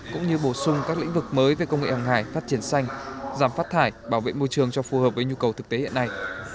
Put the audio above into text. cũng như bổ sung các lĩnh vực mới về công nghệ hàng hải phát triển xanh giảm phát thải bảo vệ môi trường cho phù hợp với nhu cầu thực tế hiện nay